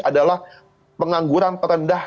adalah pengangguran terendah